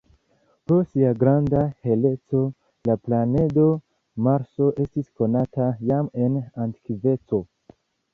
Pro sia granda heleco la planedo Marso estis konata jam en antikveco.